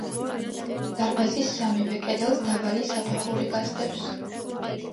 დარბაზის სამივე კედელს დაბალი საფეხური გასდევს.